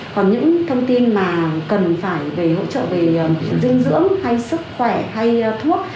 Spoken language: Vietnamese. còn những thông tin mà cần phải về hỗ trợ về dinh dưỡng hay sức khỏe hay thuốc